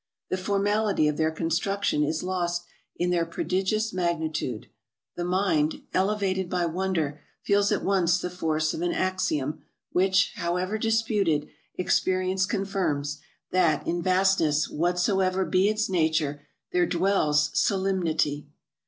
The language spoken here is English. The formality of their construction is lost in their prodigious mag nitude; the mind, elevated by wonder, feels at once the force of an axiom, which, however disputed, experience con firms— that in vastness, whatsoever be its nature, there dwells sublimity.